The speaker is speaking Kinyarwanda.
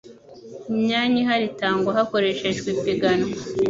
imyanya ihari itangwa hakoreshejwe ipiganwa